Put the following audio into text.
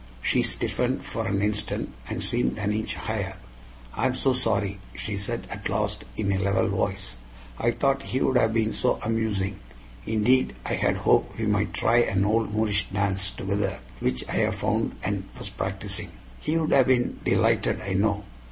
She stiffened for an instant, and seemed an inch higher. "I am so sorry," she said at last in a level voice. "I thought he would have been so amusing. Indeed, I had hoped we might try an old Moorish dance together which I have found and was practicing." "He would have been delighted, I know.